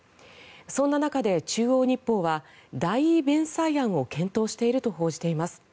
そんな中で中央日報は代位弁済案を検討していると報じています。